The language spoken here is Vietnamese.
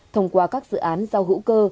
thông qua các dự án rau hữu cơ